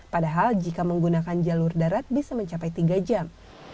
padahal jika menggunakan jalur darat bisa mencapai tiga jam